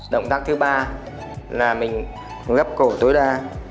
động tác thứ ba là mình ghép cổ tối đa